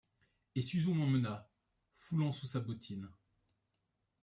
Et Suzon m'emmena, foulant sous sa bottine